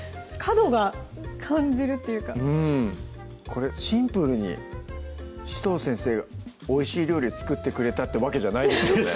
これシンプルに紫藤先生がおいしい料理を作ってくれたってわけじゃないんですよね